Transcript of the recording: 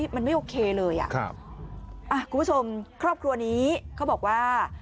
มันไม่โอเคเลยอ่ะครับคุณผู้ชมครอบครัวนี้เขาบอกว่า